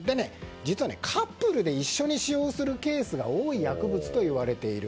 実はカップルで一緒に使用するケースが多い薬物といわれている。